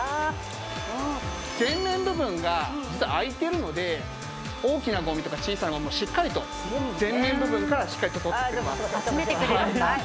前面部分が実は空いてるので大きなゴミとか小さなゴミもしっかりと前面部分からしっかりと取ってくれます。